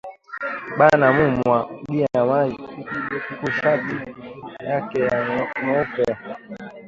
Bana mu mwangiya mayi ku shati yake ya mweupe